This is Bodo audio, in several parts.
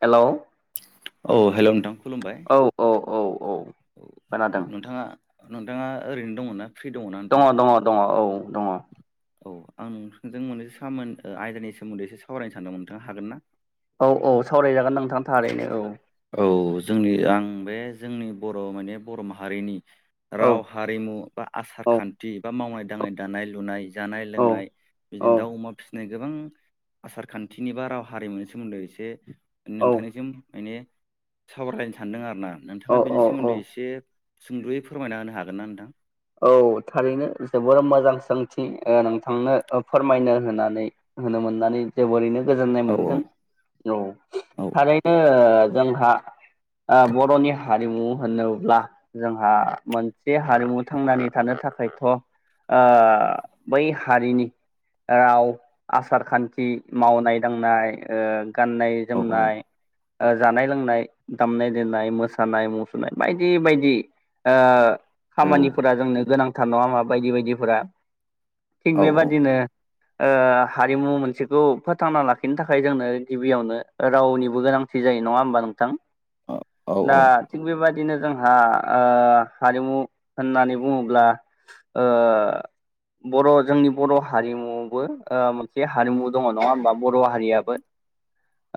हेल'। औ हेल' नोंथां खुलुमबाय औ औ खोनादों दङ औ नोंथाङा। नोंथाङा ओरैनो दं ना? दङ -दङ -दङ औ दङ। औ आं नोंथांजों मोननैस सामोन- आयदानि सोमोन्दै एसे सावरायनो सानदोंमोन नोंथाङा हागोन ना? औ- औ सावरायजागोन नोंथां थारैनो औ। औ जोंनि आं बे जोंनि बर' माने बर' माहारिनि औ राव -हारिमु, बा आसार औ -खान्थि, बा मावनाय- दांनाय, दानाय -लुनाय जानाय- औ लोंनाय औ बिदिनो दाउ -अमा फिसिनाय गोबां आसार खान्थिनि बा राव- हारिमुनि सोमोन्दै एसे नोंथांनिसिम माने सावरायनो सानदों आरोना औ नोंथाङा बेनि औ औ सोमोन्दै एसे सुंदयै फोरमायना होनो हागोन ना नोंथां? औ थारैनो जोबोर मोजां सोंथि ओ नोंथांनो फोरमायनो होननानै होननो मोनो। होननानै जोबोरैनो गोजोननाय औ मोनगोन औ थारैनो जोंहा [inaudible] बर'नि हारिमु होनोब्ला जोंहा मोनसे हारिमु थांनानै थानो थाखायथ' ओ बै हारिनि राव आसार खान्थि मावनाय दांनाय ओ गाननाय औ औ जोमनाय ओ जानाय लोंनाय दामनाय देनाय मोसानाय मुसुरनाय बायदि बायदि ओ औ खामानिफोरा जोंनो गोनांथार नङा होमा बायदि बायदिफोरा थिग औ औ बेबादिनो ओ हारिमु मोनसेखौ फोथांना लाखिनो थाखाय जोंनो गिबियावनो रावनिबो गोनांथि थि जायो नङा होमबा नोंथां दा थिग बेबायदिनो जोंहा ओ हारिमु होननानै बुङोब्ला ब्ला ओ बर' जोंनि बर' हारिमुआवबो ओ मो हारिमु दङ नङा होमबा बर' हारियाबो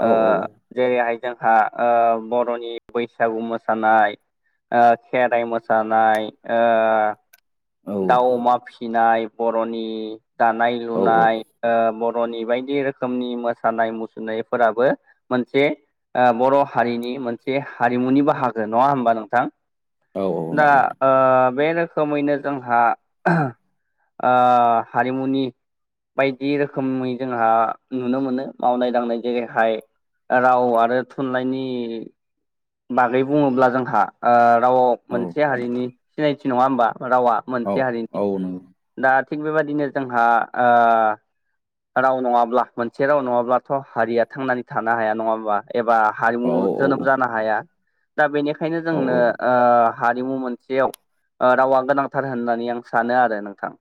ओ जेरैहाय जोंहा बर'नि बैसागु मोसानाय ओ खेराइ मोसानाय ओ औ दाउ अमा फिसिनाय बर'नि दानाय लुनाय औ ब बर'नि बायदि रोखोमनि मोसानाय मुसुरनायफोराबो मोनसे ओ बर' हारिनि मोनसे हारिमुनि बाहागो नङा होमबा नोंथां दा ओ बे रो खोमैनो जोंहा ओ हारिमुनि बायदि रोखोमनि जोंहा नुनो मोनो मावनाय दांनाय जेरैहाय राव आरो थुनलाइनि बागै बुङोब्ला जोंहा ओ रावआव मोनसे हारिनि सिनायथि नङा होमबा? रावा नंगौ नोंथां औ मोनसे औ हारिनि नंगौ दा थिग बेबायदिनो जोंहा ओ राव नङाब्ला मोनसे राव नङाब्लाथ' हारिया थांनानै थानो हाया नङाहोनबा एबा औ हारिमु औ जोनोम जानो हाया। दा बेनिखायनो औ जोंनो ओ हारिमु मोनसेयाव ओ रावा गोनांथार होननानै आं सानो आरो नोंथां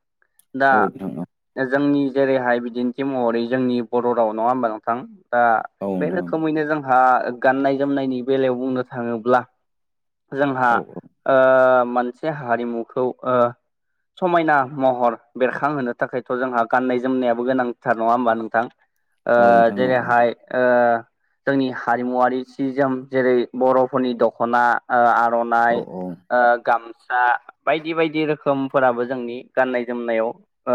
दा औ नंगौ जोंनि जेरैहाय बि दिन्थि महरै जोंनि बर' राव नङा होमबा नोंथां दा औ बे रोखोमैनो जोंहा गाननाय जोमनायनि बेलायाव बुंनो थाङोब्ला जोंहा ओ मोनसे हारिमुखौ समायना महर बेरखांहोनो थाखायथ' जोंहा गाननाय जोमनायाबो गोनां। थार नङा होमबा नोंथां ओ औ नोंथां औ जेरैहाय ओ जोंनि हारिमुवारि सिजोम जेरै बर'फोरनि दख'ना ओ आ औ नोंथां औ आर'नाय औ गाम सा बायदि बायदि रोखोमफोराबो जोंनि गाननाय जोमनायाव ओ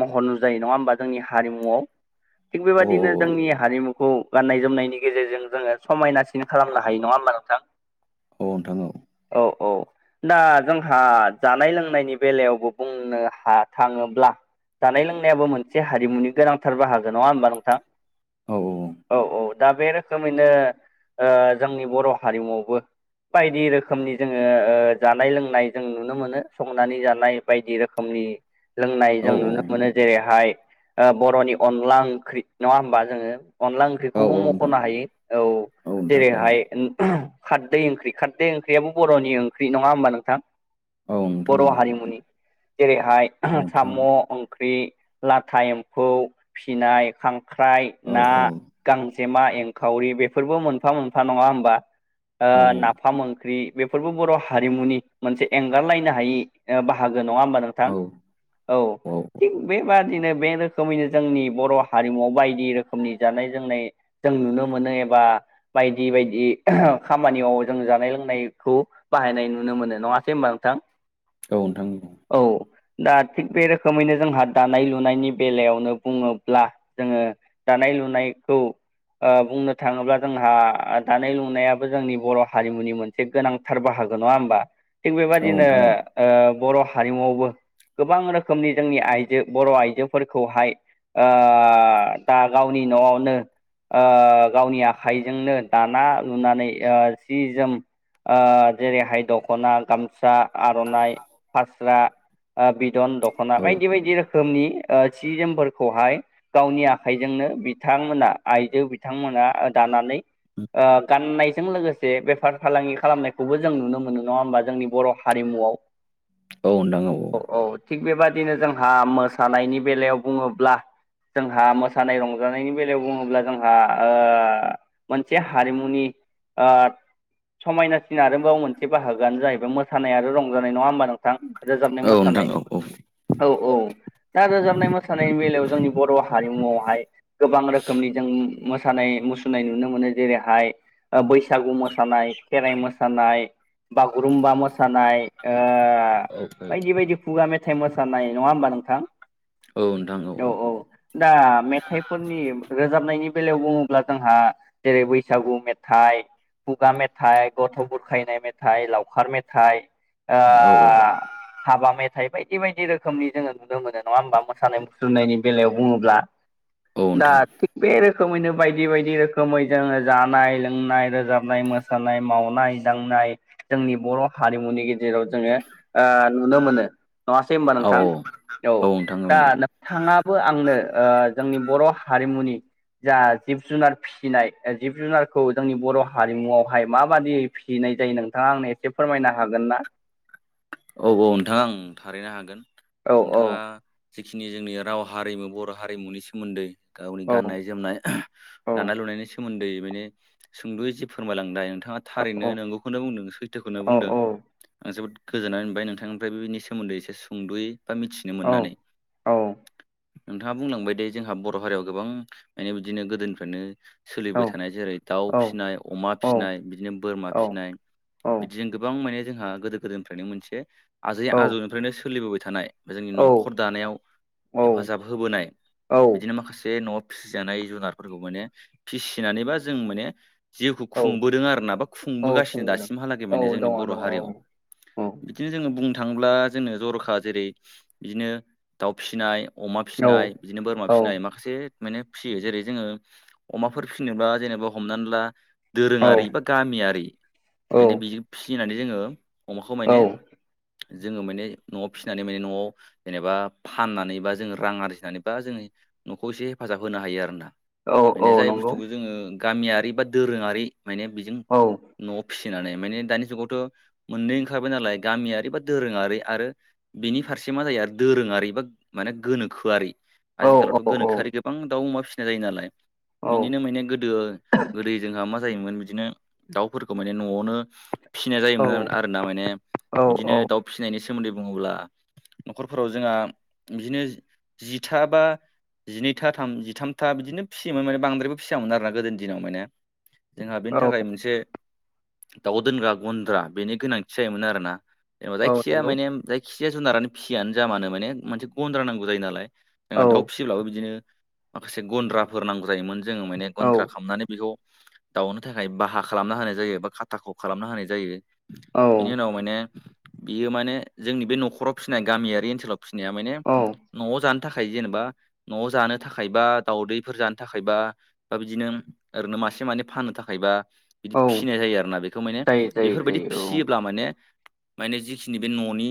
महर नुजायो नङा होमबा जोंनि हारिमुआव थिग बेबायदिनो औ जोंनि हारिमुखौ गाननाय जोमनायनि गेजेरजों जोङो समायनासिन खालामनो हायो नङा होमबा नोंथां। अ नोथां औ। औ औ दा जोंहा जानाय लोंनायनि बेलायावबो बुंनो हा थाङोब्ला जानाय लोंनायाबो मोनसे हारिमुनि गोनांथार बाहागो नङा होमबा नोंथां? औ औ औ दा बे रोखोमैनो ओ जोंनि बर' हारिमुआवबो बायदि रोखोमनि जोङो ओ जानाय लोंनाय जों नुनो मोनो संनानै जानाय बायदि रोखोमनि दि लोंनाय औ जों नुनो मोनो जेरैहाय ओ बर'नि अनला ओंख्रि नङा होमबा जोङो अनला ओंख्रिखौबो औ नोंथां मख'नो हायो औ नोंथां औ जेरैहाय खारदै ओंख्रि खारदै ओंख्रियाबो बर'नि ओंख्रि नङा होमबा नोंथां औ नोंथां बर' हारिमुनि जेरै बेहाय औ नोंथां साम' औ ओंख्रि लाथा एम्फौ फिनाय खां ख्राइ औ ना औ गांजेमा एंखावरि बेफोरबो मोनफा मोनफा नङा होमबा? ओ नाफाम ओंख्रि बेफोरबो बर' हारिमुनि मोनसे एंगारलायनो हायि ओ बाहागो। नंङा होमबा औ नोंथां औ थिग बेबादिनो बे रोखोमैनो जोंनि बर' हारिमुआव बायदि रोखोमनि जानाय-लोंनाय जों नुनो मोनो एबा बायदि बायदि खामानियाव जों जानाय लोंनाय खौ बाहायनाय नुनो मोनो नङासैब होम मा नोंथां? औ नोंथां नंगौ। औ दा थिग बे रोखोमैनो जोंहा दानाय लुनायनि बेलायावनो बुङोब्ला जोङो दानाय लुनायखौ ओ बुंनो थाङोब्ला जोंहा दानाय लुनायाबो जोंनि बर' हारिमुनि मोनसे गोनांथार बाहागो। नङा होमबा, थिग औ बेबायदिनो नोंथां औ औ ओ बर' हा हारिमुआवनो गोबां रोखोमनि जोंनि आइजो बर' आइजो फोरखौ हाय ओ दा गावनि न'आवनो ओ गावनि आखाइजोंनो दाना लुनानै ओ सि जोम ओ जेरैहाय दख'ना गाम सा आर'नाइ फास्रा, ओ बिदन नोंथां दख'ना बायदि औ औ बायदि रोखोमनि ओ सि जोमफोरखौहाय गावनि आखाइजोंनो बिथांमोना आइजो बिथांमोना दाना नानै नोंथां औ ओ गाननायजों लोगोसे बेफार फालांगि खालामनायखौबो जों नुनो मोनो नङा होमबा? जोंनि बर' हारिमु आव औ औ थिग बेबादिनो जोंहा मोसानायनि बेलायाव बुङो ब्ला जोंहा मोसानाय रंजानायनि बेलायाव बुङोब्ला जोंहा ओ मोनसे हारिमुनि ओ समायनासिन आरोबाव मोनसे बाहागोआनो जाहैबाय मोसानायानो रंजानाय नङा होमबा नोंथां? रोजाबनाय मोसानाय औ औ औ दा रोजाबनाय मोसानायनि बेलायाव जोंनि बर' हा हारिमुावहाय गोबां रोखोमनि जों मोसानाय मुसुरनाय नुनो मोनो। जेरैहाय - ओ बैसागु मोसानाय, खेराइ मोसानाय, बागुरुम्बा मोसानाय ओ बायदि बायदि खुगा मेथाइ मोसानाय नङा होमबा नोंथां? औ नोंथां औ औ। दा मेथाइफोरनि रोजाबनायनि बेलायाव बुङोब्ला जोंहा जेरै- बैसागु मेथाइ, खुगा मेथाइ, गथ' बुरखायनाय मेथाइ, लावखार मेथाइ, ओ औ औ हाबा मेथाइ बायदि बायदि रोखोमनि जोङो नुनो मोनो, नङा होमबा? मोसानाय मुसुरनायनि बेलायाव बुङोब्ला औ दा नोंथां थिग, बे रोखोमैनो बायदि बायदि रोखोमै जोङो जानाय लोंनाय रोजाबनाय मोन मोसानाय, मावनाय दांनाय जोंनि बर' हारिमुनि गेजेराव जोङो ओ नुनो मोनो। नङासै होनबा औ नोंथां? औ औ, नोंथां औ दा नंगौ नोंथाङा बो आंनो ओ जोंनि बर' हारिमुनि जा जिब जुनार फिसिनाय जिब जुनारखौ जोंनि बर' हारिमुआवहाय माबादियै फिसिनाय नाय जायो नोंथाङा आंनो एसे फोरमायनो हागोन ना? औ औ नोंथाङा आं थारैनो हागोन। औ औ नोंथाङा जिखिनि जोंनि राव हारिमु बर' हारिमुनि सोमोन्दै गावनि औ गाननाय जोमनाय, औ दानाय लुनायनि सोमोन्दै माने सुंद'यै जि फोरमायलांनाय नोंथां थाङा थारैनो औ नोंगौखौनो बुंदों सैथोखौनो औ बुंदों। ओ जोबोद गोजोननाय बाय नोंथांनिफ्राय बेनि सोमोन्दै एसे सुंद'यै बा मिथिनो औ मोननानै। औ नोंथाङा बुंलांबाय दे, जोंहा बर' हारियाव गोबां, माने बिदिनो गोदोनिफ्रायनो औ सोलिबाय थानाय जेरै दाउ औ फिनाय, अमा औ फिनाय बिदिनो बोरमा फिनाय बिदिजों गोबां माने जोंहा गोदो गोदायनिफ्रायनो मोनसे आजै आजौनिफ्रायनो सोलिबोबाय थानाय जोंनि न'खर दानायाव औ हेफाजाब होबोनाय, बिदिनो माखासे न' फिसिजानाय जुनारफोरखौ माने, फिसिनानैबा जों माने जिउखौ औ खुंबोदों आरो ना बा औ खुंबोगासिनो खुंबोदों दासिमहालागै औ माने जोंनि दङ बर' दङ औ हारियाव। औ इदिनो जोङो बुंनो थाङोब्ला जोङो जर'खा जेरै इदिनो दाउ फिनाय अमा फिनाय बिदिनो बोरमा औ औ फिनाय माखासे माने फियो। जेरै जोङो अमाफोर फिसिनोब्ला जेनेबा हमनानै ला दोरोङारि बा गामियारि औ माने बिजों फिसिनानै जोङो अमाखौ औ माने जोङो माने न'आव फिनानै माने न'आव जेनेबा फाननानै बा जोङो रां आरजिनानै बा जों नै न'खौ इसे हेफाजाब होनो हायो आरोना। औ माने औ जाय नंगौ बुस्थुखौ जोङो गामियारि बा दोरोङारि माने बेजों औ न'आव फिसिनानै माने दानि जुगावथ' मोननै ओंखारबाय नालाय गामियारि बा दोरोङारि आरो बिनि फारसे मा जायो आरो दोरोङारि बा माने गोनोखोआरि औ आजि औ खालिथ' गोनोखोआरि गोबां दाउ अमा फिसिनाय जायो नालाय। बिनिनो माने गोदो-गोदोयै जोंहा मा जायोमोन बिदिनो दाउफोरखौ माने न'आवनो फिनाय औ जायोमोन आरो-आरोना माने औ बिदिनो दाउ फिनायनि सोमोन्दै बुङोब्ला न'खरफोराव जोंहा बिदिनो जि-जिथा बा जिनैथा थाम जिथामथा बिदिनो फियोमोन माने बांद्रायबो फियामोन आरोना गोदोनि दिनाव माने। जोंहा बेनि थाखाय मोनसे दाउ दोनग्रा गन्द्रा बेनि गोनांथि जायोमोन आरोना। जेनेबा औ जायखि जाया नंगौ। माने जायखि जाया जुनारानो फिसियानो जा मानो माने मोनसे गन्द्रा नांगौ जायो नालाय। औ जोंहा दाउ फियोब्लाबो बिदिनो माखासे गन्द्राफोर नांगौ जायोमोन। जोङो माने औ गन्न्द्रा खालामामनानै बेखौ दाउनो थाखाय बाहा खालामना होनाय जायो बा खाथाख' खालामना होनाय जायो। औ बिनि उनाव माने बियो माने जोंनि बे न'खराव फिनाय गामियारि ओनसोलाव फिनाया माने न'आव जानो थाखाय जेनेबा न'आव जानो थाखाय बा दावदैफोर जानो थाखायबा बा बिदिनो ओरैनो मासे मानै फाननो थाखाय बा औ बिदि फिनाय जायो आरोना। बेखौ माने जायो जायो बेफोर बायदि जायो फियोब्ला माने माने जिखिनि बे न'नि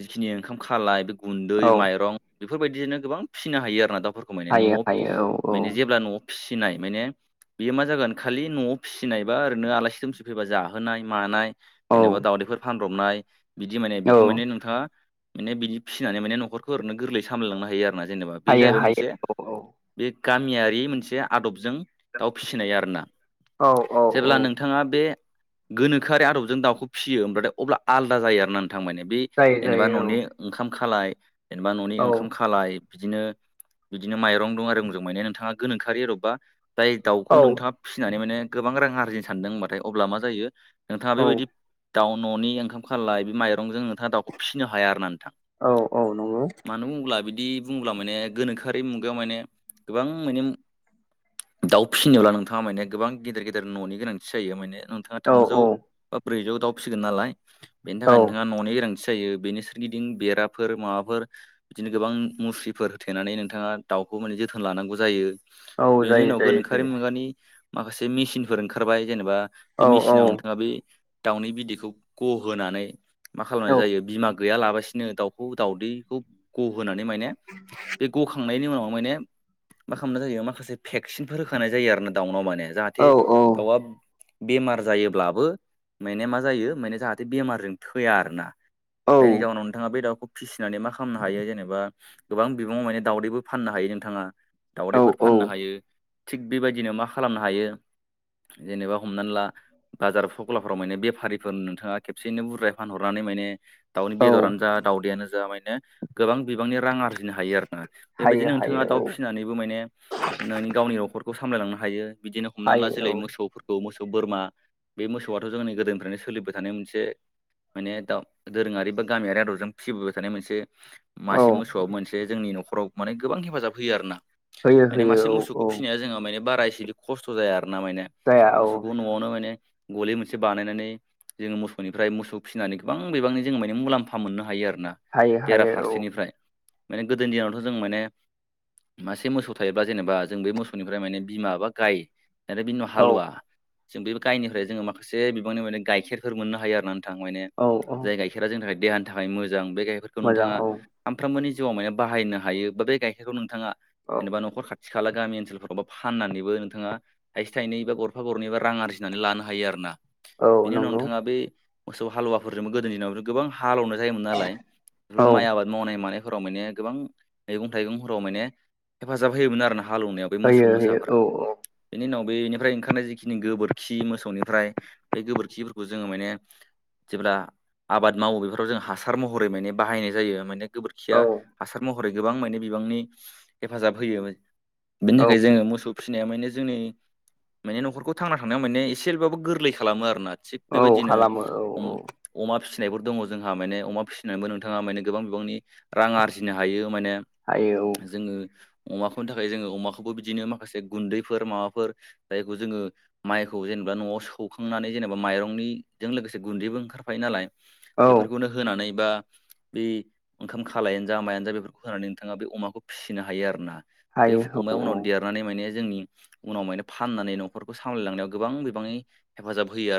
जिखिनि ओंखाम खालाय बे औ गुन्दै, माइरं बेफोर बायदिजोंनो गोबां फिनो हायो आरोना दाउफोरखौ माने हायो न'आव हायो औ माने जेब्ला न'आव फिसिनाय माने बेयो मा जागोन खालि न'आव फिसिनायबा ओरैनो आलासि दुमसि फैबा जाहोनाय मानाय औ जेनेबा दाउदैफोर फानब्रबनाय बिदि माने औ बेखौ माने नोंथाङा माने बिदि फिनानै माने न'खरखौ ओरैनो गोरलै सामलायलांनो हायो आरोना जेनेबा। बे हायो जाहैबाय हायो मोनसे औ बे गामियारि मोनसे आदब जों दाउ फिसिनाय आरोना। औ औ औ जेब्ला नोंथाङा बे गोनोखोआरि आदबजों दाउखौ फियो होमबाथाय अब्ला आलादा जायो आरोना नों थां माने बै जायो जेनेबा जायो न'नि ओंखाम खालाय जेनेबा न'नि औ ओंखाम खालाय बिदिनो बिदिनो माइरं दं आरो जों माने नोंथाङा गोनोखोआरि आदबबा जाय दाउखौ औ नोंथाङा फिनानै माने गोबां रां आरजिनो सानदों होनबाथाय अब्ला मा जायो नोंथाङा औ बेबायदि दाउ न'नि ओंखाम खालाय बे माइरंजों नोंथाङा दाउखौ फिसिनो हाया आरोना औ औ नंगौ। बिदि बुंङोब्ला माने गोनोआरि मुगायाव माने गोबां माने। दाउ फिसिनोब्ला नोंथाङा माने गोबां गेदेर गेदेर न'नि गोनांथि जायो माने। नोंथाङा औ थामजौ औ बा ब्रैजौ दाउ फिसिगोन नालाय बेनि औ थाखाय नोंथाङा न'नि गोनांथि। जायो बेनि सोरगिदिं बेराफोर माबाफोर बिदिनो गोबां मुस्रिफोर होथेनानै नोंथाङा दांव दाउखौ माने जोथोन लानांगौ जायो। बेनि जायो उनाव जायो गोनोखोआरि जायो मुगानि माखासे मेसिनफोर ओंखारबाय जेनेबा। बे औ मेसिनाव नोंथाङा बे दाउनि बिदैखौ गहोनानै मा खालामनाय जायो बिमा गैयालाबसिनो दाउखौ दाउदैखौ गहोनानै माने बे गखांनायनि उनाव माने मा खालामनाय जायो माखासे भेक्सिनफोर होखानाय जायो आरोना दाउनाव माने। औ जाहाथे दाउआ बेमार जायोब्लाबो माने जायो माने जाहाथे बेमारजों थैआ आरोना जायनि जाउनाव नोंथाङा बे दाउखौ फिसिनानै मा खालामनो हायो जेनेबा गोबां बिबाङाव माने दाावदैबो फाननो हायो नोंथाङा। औ दावदैफोर औ फाननो हायो थिग बेबायदिनो मा खालामनो हायो। जेनेबा हमनानै ला बाजार सख्लाफोराव माने बेफारि। नोंथाङा खेबसेैनो बुरजाय फानहरनानै माने दाउनि औ बेदरानो जा दावदैआनो जा गोबां बिबांनि रां आरजि नो हायो आरो ना हायो बेबायदिनो नोंथाङा हायो दाउ औ फिसिनानैबो माने नों गावनि न'खरखौ सामलायलांनो हायो बिदिनो हमनानै ला जेरै हायो मोसौफोरखौ मोसौ बोरमा बे मोसौआथ' जोंनि गोदोनिफ्रायनो सोलिबाय थानाय मोनसे माने दा दोरोङारि बा गामियारि आदबजों फिसिबोबाय थानाय मोनसे औ मासे औ मोसौआ मोनसे जोंनि न'खराव माने गोबां हेफाजाब होयो आरोना। होयो माने होयो मासे मोसौखौ औ औ फिसिनाया जोङो माने बाराय बेसे खस्थ' जाया आर ना माने जाया औ मोसौखौ न'आवनो माने गलि मोनसे बानायनानै जोङो मोसौनिफ्राय मोसौ फिसिनानै गोबां बिबांनि जोङो माने मुलाम्फा मोननो हायो आरो आरोना हायो हायो औ बेराफारसेनिफ्राय माने गोदोनि दिनावथ' जों माने मासे मोसौ थायोब्ला जेनेबा जों बे मोसौनिफ्राय माने बिमा बा गाय आरो बिनि उनाव औ हालुवा जों बे गायनिफ्राय जोङो माखासे बिबांनि माने गाइखेरफोर मोननो हायो आरो नों थां औ औ जाय गाइखेरा जोंनि थाखाय देहानि थाखाय मोजां बे गायखेरखौ मोजां नोंथाङा औ सैमफ्रबोनि जिउआव माने बाहायनो हायो बा बे गाइखेरखौ नोंथाङा औ जेनेबा न'खर खा थिखाला गामि ओनसोलफोरावबा फाननानैबो नोंथाङा थाइसे थाइनै बा गरफा गरनै बा रां आरजिनानै लानो हायो आरो ना। औ बेनि उनाव नंगौ नोंथाङा बे मोसौ हालुवाफोरजोंबो गोदोनि दिनाव गोबां हालेवनाय जायोमोन नालाय बे औ माइ आबाद मावनाय मानाय फोराव माने गोबां मैगं थाइगंफोराव माने हेफाजाब होयोमोन आरोना। हालौवनायाव बे मोसौ होयो होयो मोसाफ्रा औ बेनि उनाव बेनिफ्राय ओंखारनाय जिखिनि गोबोरखि मोसौनिफ्राय बे गोबोरखिफोरखौ जोङो माने जेब्ला आबाद मावो बेफोराव जों हासार महरै माने बाहायनाय जायो माने गोबोरखिया औ हासार महरै गोबां मे बिबांनि हेफाजाब होयो। बिनि थाखाय जोङो मोसौ फिसिनाया माने जोंनि माने न'खरखौ थांना थांनायाव माने एसेबाबो गोरलै खालामो आरोना। थिग औ औ बेबायदिनो खालामो औ औ अमा फि सिनायफोर दङ जोंहा माने अमा फिसिनायबो नोंथाङा माने गोबां बिबांनि रां आरजिनो हायो। माने हायो जोङो अमाखौनि थाखाय जोङो अमाखौबो बिदिनो माखासे गुन्दैफोर माबाफोर जायखौ जोङो माइखौ जेनेबा [unintelligible] सखांनानै जेनेबा माइरंनिजों लोगोसे गुन्दैबो ओंखारफायो नालाय औ बेफोरखौनो होनानै बा बेै ओंखाम खालायानो जा मायानो जा बेफोरखौ होनानै नोंथाङा बे अमाखौ फिसिनो हायो आरो ना बे हायो अमाया औ उनाव औ देरनानै माने जोंनि उनाव माने फाननानै न'खरखौ सामलायलांनायाव गोबां बिबाङै हेफाजाब होयो आरो